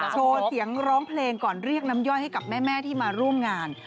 โชว์เสียงร้องเพลงก่อนเรียกน้ำย่อยให้กับแม่ที่มาร่วมงาน